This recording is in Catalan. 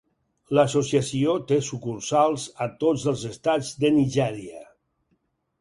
L'associació té sucursals a tots els estats de Nigèria.